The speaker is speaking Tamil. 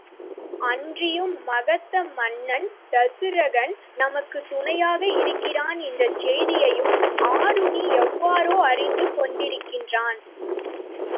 அன்றியும் மகத மன்னன் தருசகன், நமக்குத் துணையாக இருக்கிறான் என்ற செய்தியையும் ஆருணி எவ்வாறோ அறிந்து கொண்டிருக்கின்றான்.